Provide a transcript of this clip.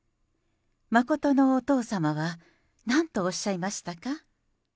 真のお父様はなんとおっしゃいましたか？